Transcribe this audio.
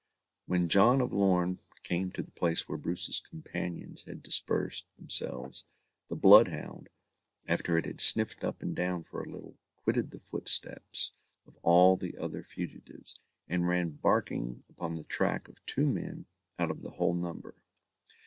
When John of Lorn came to the place where Bruce's companions had dispersed themselves, the bloodhound, after it had sniffed up and down for a little, quitted the footsteps of all the other fugitives, and ran barking upon the track of two men out of the whole number.